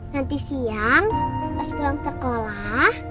nanti siang pas pulang sekolah